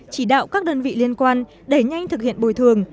chỉ đạo các đơn vị liên quan đẩy nhanh thực hiện bồi thường